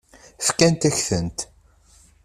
Fakkent-ak-tent.